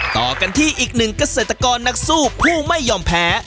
ต่อกันที่อีกหนึ่งเกษตรกรนักสู้ผู้ไม่ยอมแพ้